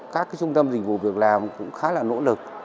các trung tâm dịch vụ việc làm cũng khá là nỗ lực